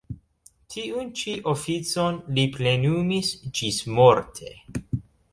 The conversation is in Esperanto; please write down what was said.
Tiun ĉi oficon li plenumis ĝismorte.